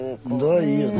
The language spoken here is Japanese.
いいよね。